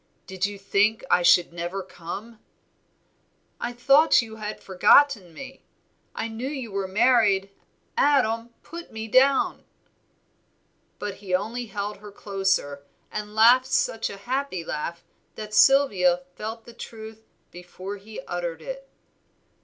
did you think I should never come?" "I thought you had forgotten me, I knew you were married. Adam, put me down." But he only held her closer, and laughed such a happy laugh that Sylvia felt the truth before he uttered it.